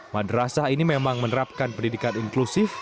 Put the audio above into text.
madrasah ini memang menerapkan pendidikan inklusif